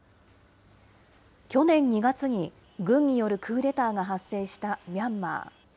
去年２月に、軍によるクーデターが発生したミャンマー。